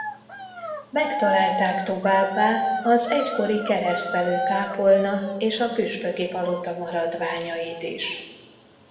Megtalálták továbbá az egykori keresztelőkápolna és a püspöki palota maradványait is.